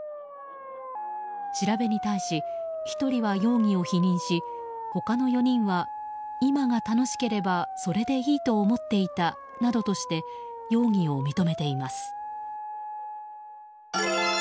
調べに対し、１人は容疑を否認し他の４人は今が楽しければそれでいいと思っていたなどとして容疑を認めています。